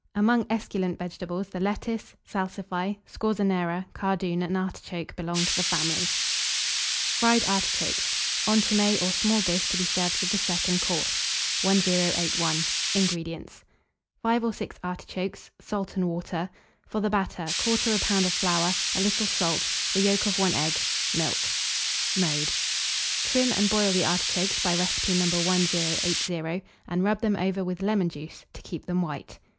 Among esculent vegetables, the Lettuce, Salsify, Scorzonera, Cardoon, and Artichoke belong to the family. FRIED ARTICHOKES. (Entremets, or Small Dish, to be served with the Second Course.) 1081. INGREDIENTS. 5 or 6 artichokes, salt and water: for the batter, 1/4 lb. of flour, a little salt, the yolk of 1 egg, milk. Mode. Trim and boil the artichokes by recipe No. 1080, and rub them over with lemon juice, to keep them white.